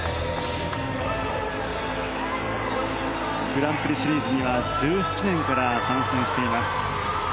グランプリシリーズには１７年から参戦しています。